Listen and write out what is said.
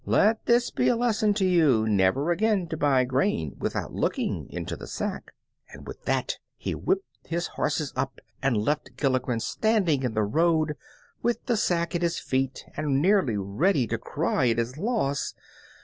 Let this be a lesson to you never again to buy grain without looking into the sack!" and with that he whipped up his horses and left Gilligren standing in the road with the sack at his feet and nearly ready to cry at his loss.